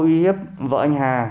uy hiếp vợ anh hà